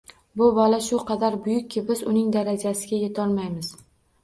Bola shu qadar buyukki, biz uning darajasiga yetolmaymiz!